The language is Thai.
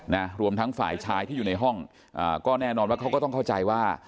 นะรวมทั้งฝ่ายชายที่อยู่ในห้องอ่าก็แน่นอนว่าเขาก็ต้องเข้าใจว่า